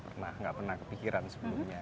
engga pernah kepikiran sebenernya